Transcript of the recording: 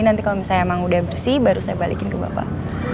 nanti kalau misalnya emang udah bersih baru saya balikin ke bapak